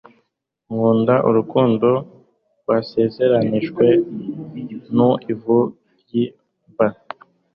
Kunda urukundo rwasezeranijwe mu ivu ryimva